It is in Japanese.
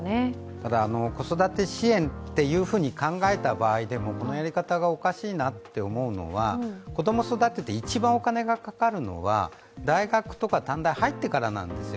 ただ子育て支援と考えた場合でも、このやり方がおかしいと思うのは子供を育てて一番お金がかかるのは大学とか短大に入ってからなんですよ。